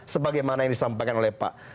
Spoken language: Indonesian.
sebagaimana yang disampaikan oleh pak